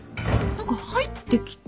何か入ってきた。